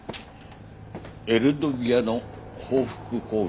エルドビアの報復攻撃ですよ。